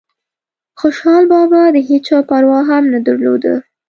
خوشحال بابا دهيچا پروا هم نه درلوده